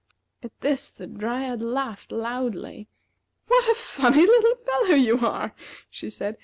At this the Dryad laughed loudly. "What a funny little fellow you are!" she said.